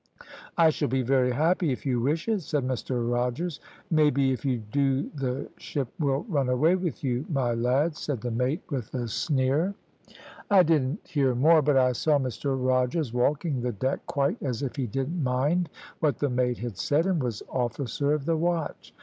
"`I shall be very happy, if you wish it,' said Mr Rogers. "`Maybe if you do the ship will run away with you, my lad,' said the mate, with a sneer. "I didn't hear more, but I saw Mr Rogers walking the deck quite as if he didn't mind what the mate had said, and was officer of the watch.